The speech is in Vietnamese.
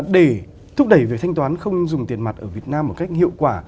để thúc đẩy việc thanh toán không dùng tiền mặt ở việt nam một cách hiệu quả